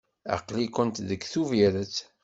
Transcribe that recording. Aql-ikent deg Tubiret.